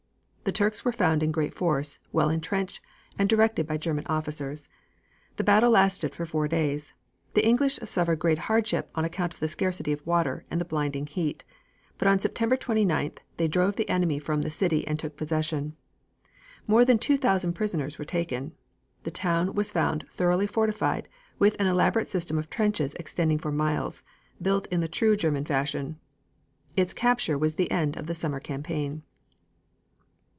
The Turks were found in great force, well intrenched, and directed by German officers. The battle lasted for four days. The English suffered great hardship on account of the scarcity of water and the blinding heat, but on September 29th they drove the enemy from the city and took possession. More than two thousand prisoners were taken. The town was found thoroughly fortified, with an elaborate system of trenches extending for miles, built in the true German fashion. Its capture was the end of the summer campaign.